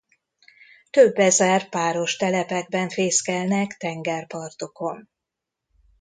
Több ezer páros telepekben fészkelnek tengerpartokon.